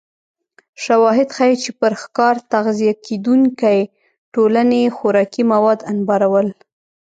شواهد ښيي چې پر ښکار تغذیه کېدونکې ټولنې خوراکي مواد انبارول